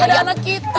berarti ada anak kita